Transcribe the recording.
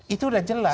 itu udah jelas